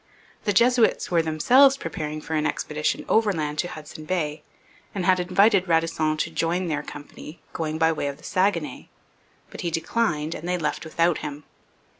The Jesuits were themselves preparing for an expedition overland to Hudson Bay and had invited Radisson to join their company going by way of the Saguenay; but he declined, and they left without him.